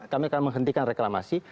kami akan menghentikan reklamasi